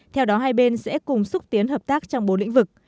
theo đó hai bên sẽ cùng xúc tiến hợp tác trong bốn lĩnh vực